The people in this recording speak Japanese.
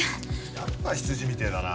やっぱ羊みてぇだな。